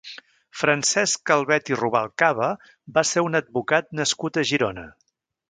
Francesc Calvet i Rubalcaba va ser un advocat nascut a Girona.